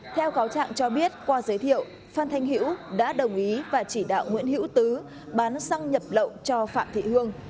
theo cáo trạng cho biết qua giới thiệu phan thanh hữu đã đồng ý và chỉ đạo nguyễn hữu tứ bán xăng nhập lậu cho phạm thị hương